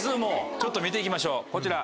ちょっと見て行きましょうこちら。